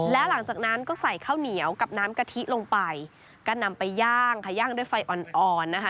แล้วหลังจากนั้นก็ใส่ข้าวเหนียวกับน้ำกะทิลงไปก็นำไปย่างค่ะย่างด้วยไฟอ่อนอ่อนนะคะ